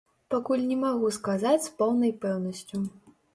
Пакуль не магу сказаць з поўнай пэўнасцю.